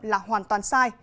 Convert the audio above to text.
là hoàn toàn sai